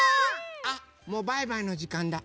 あっもうバイバイのじかんだ。